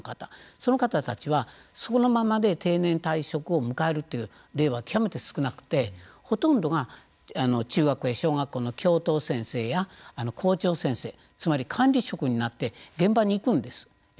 その方たちはそのまま定年退職を迎える例は極めて少なくてほとんどが中学や小学校の教頭先生や校長先生つまり管理職になって現場に行くんです。